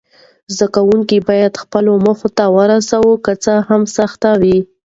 زده کوونکي باید خپلو موخو ته رسوي، که څه هم سختۍ وي.